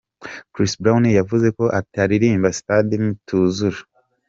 Chris Brown yavuze ko ataririmba Stade nituzura.